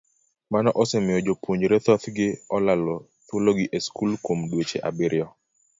Mano osemiyo jopuonjre thothgi olalo thuologi e skul kuom dweche abiriyo.